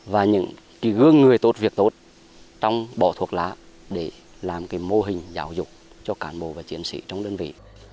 và những gương người tốt việc tốt trong bỏ thuốc lá để làm cái mô hình giáo dục cho cán bộ và chiến sĩ trong đơn vị